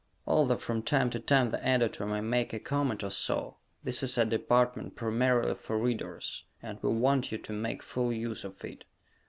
Although from time to time the Editor may make a comment or so, this is a department primarily for Readers, and we want you to make full use of it.